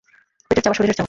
পেটের চাওয়া, শরীরের চাওয়া।